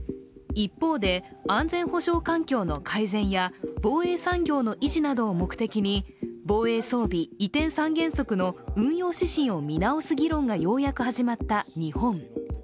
一方で安全保障環境の改善や防衛産業の維持などを目的に防衛装備移転三原則の運用指針を見直し議論がようやく始まった日本。